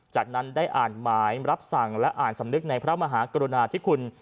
จากนั้นได้อ่านหมายรับสั่งและอ่านสำนึกในพระมหากรุณาธิคุณ